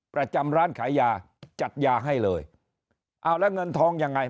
ประจำร้านขายยาจัดยาให้เลยเอาแล้วเงินทองยังไง